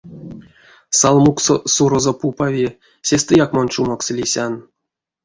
Салмукссо сурозо пупави, сестэяк мон чумокс лисян.